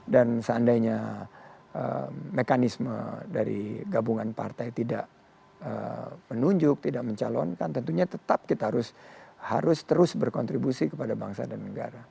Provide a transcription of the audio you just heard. dan seandainya mekanisme dari gabungan partai tidak menunjuk tidak mencalonkan tentunya tetap kita harus terus berkontribusi kepada bangsa dan negara